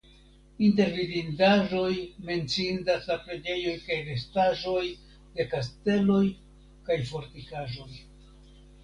Inter vidindaĵoj menciindas la preĝejoj kaj restaĵoj de kasteloj kaj fortikaĵoj.